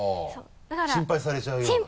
心配されちゃうような感じ？